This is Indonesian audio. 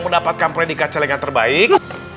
mendapatkan predikat celengan terbaik